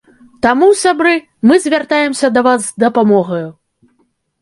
Таму, сябры, мы звяртаемся да вас з дапамогаю!